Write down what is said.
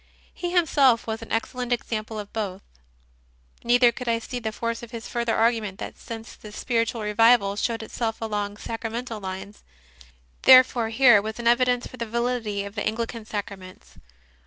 He himself was an ex cellent example of both. Neither could I see the CONFESSIONS OF A CONVERT 119 force of his further argument that, since this spir itual revival showed itself along sacramental lines, therefore here was an evidence for the validity of Anglican Sacraments.